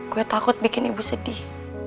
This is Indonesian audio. gue takut bikin ibu sedih